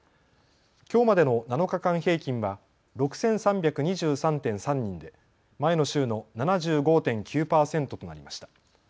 きょうまでの７日間平均は６３２３．３人で前の週の７５．９％となりました。